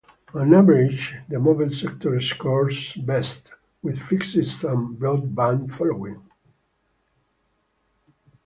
On average, the mobile sector scores best, with fixed and broadband following.